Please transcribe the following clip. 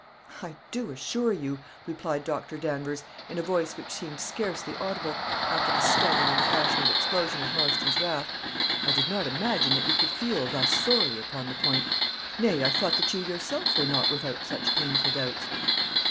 "I do assure you," replied Doctor Danvers, in a voice which seemed scarcely audible, after the stunning and passionate explosion of Marston's wrath, "I did not imagine that you could feel thus sorely upon the point; nay, I thought that you yourself were not without such painful doubts."